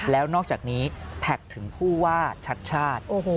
แล้วนอกจากนี้แท็กถึงผู้ว่าชัดชาติ